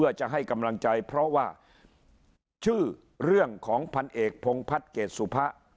เพื่อจะให้กำลังใจเพราะว่าชื่อเรื่องของพันเอกพงพัฒน์เกรดสุพะ